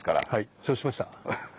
承知しました。